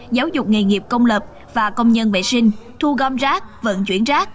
giáo dục nghề nghiệp công lập và công nhân vệ sinh thu gom rác vận chuyển rác